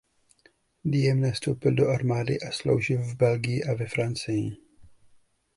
Diem nastoupil do armády a sloužil v Belgii a ve Francii.